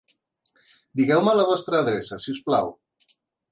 Digueu-me la vostra adreça, si us plau.